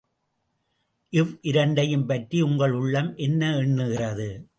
இவ் இரண்டையும் பற்றி— உங்கள் உள்ளம் என்ன எண்ணுகிறது?